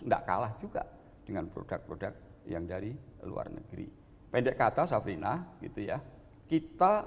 enggak kalah juga dengan produk produk yang dari luar negeri pendek kata safrina gitu ya kita